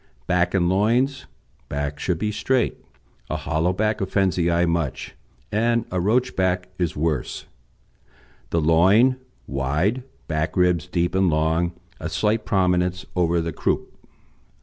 BACK AND LOINS Back should be straight. A hollow back offends the eye much, and a roach back is worse. The loin wide, back ribs deep and long, a slight prominence over the croup.